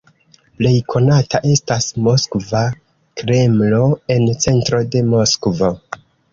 Plej konata estas Moskva Kremlo en centro de Moskvo.